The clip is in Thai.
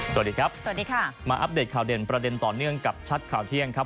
สวัสดีครับสวัสดีค่ะมาอัปเดตข่าวเด่นประเด็นต่อเนื่องกับชัดข่าวเที่ยงครับ